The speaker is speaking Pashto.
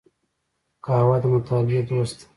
قهوه د مطالعې دوست ده